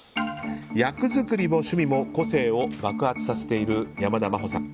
役作りも趣味も個性を爆発させている山田真歩さん。